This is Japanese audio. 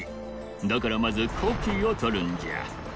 だからまずコピーをとるんじゃ。